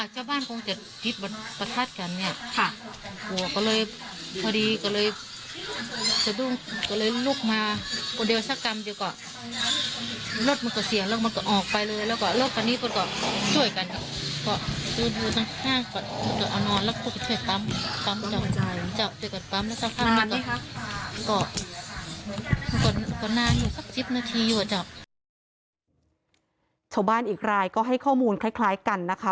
ชาวบ้านอีกรายก็ให้ข้อมูลคล้ายกันนะคะ